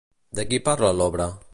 De qui parla l'obra?